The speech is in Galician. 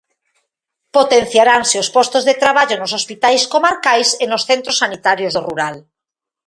Potenciaranse os postos de traballo nos hospitais comarcais e nos centros sanitarios do rural.